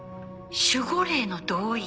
守護霊の同意？